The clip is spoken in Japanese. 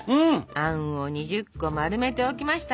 あんを２０個丸めておきましたよ。